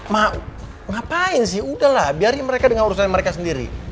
ma ngapain sih udah lah biarin mereka dengan urusan mereka sendiri